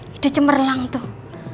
hidup cemerlang tuh